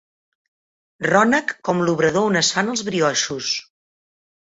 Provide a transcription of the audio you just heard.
Rònec com l'obrador on es fan els brioixos.